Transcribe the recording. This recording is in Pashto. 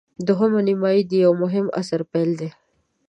دوهمه نیمايي د یوه مهم عصر پیل دی.